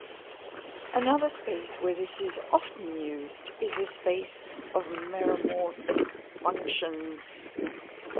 Another space where this is often used is the space of meromorphic functions.